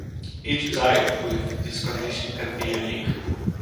Each child with this condition can be unique.